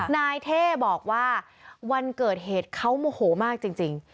นายเท่บอกว่าวันเกิดเหตุเขาโมโหมากจริง